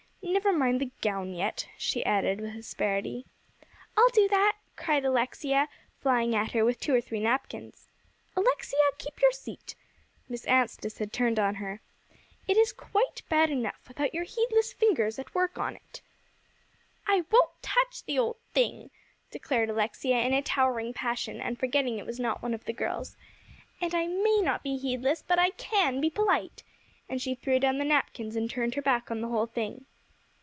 Never mind the gown yet," she added with asperity. "I'll do that," cried Alexia, flying at her with two or three napkins. "Alexia, keep your seat." Miss Anstice turned on her. "It is quite bad enough, without your heedless fingers at work on it." [Illustration: "I NEVER DID REGARD PICNICS AS PLEASANT AFFAIRS," GASPED MISS ANSTICE.] "I won't touch the old thing," declared Alexia, in a towering passion, and forgetting it was not one of the girls. "And I may be heedless, but I can be polite," and she threw down the napkins, and turned her back on the whole thing.